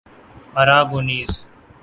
Aragonese